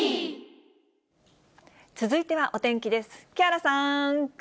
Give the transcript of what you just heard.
続いてはお天気です。